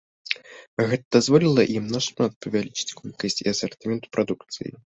Гэта дазволіла ім нашмат павялічыць колькасць і асартымент прадукцыі.